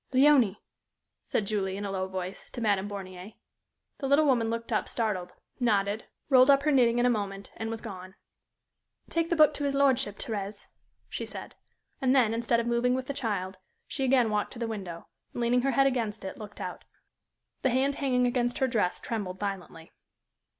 "Léonie!" said Julie, in a low voice, to Madame Bornier. The little woman looked up startled, nodded, rolled up her knitting in a moment, and was gone. "Take the book to his lordship, Thérèse," she said, and then, instead of moving with the child, she again walked to the window, and, leaning her head against it, looked out. The hand hanging against her dress trembled violently.